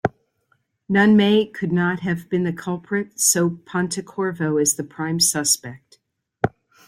Nunn May could not have been the culprit, so Pontecorvo is the prime suspect.